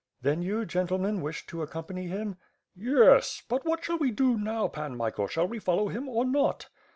"Then, you, gentlemen, wished to accompany him?" "Yes. But what shall we do now. Pan Michael, shall we follow him or not?"